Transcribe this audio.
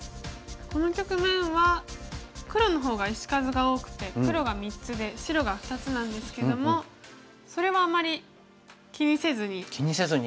この局面は黒の方が石数が多くて黒が３つで白が２つなんですけどもそれはあまり気にせずに。